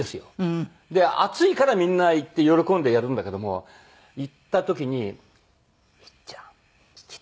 暑いからみんな行って喜んでやるんだけども行った時に「いっちゃん来て」。